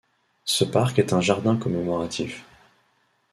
Ce parc est un jardin commémoratif.